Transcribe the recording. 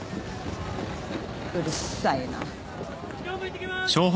うるさいな。